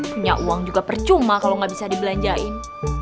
punya uang juga percuma kalo gabisa dibelanjain